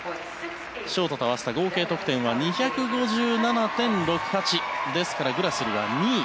ショートと合わせた合計得点は２５７．６８ですからグラスルは２位。